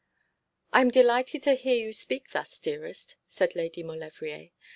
'I am delighted to hear you speak thus, dearest,' said Lady Maulevrier.